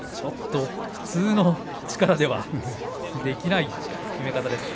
普通の力ではできない、きめ方です。